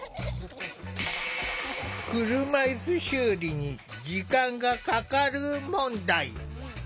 車いす修理に時間がかかる問題。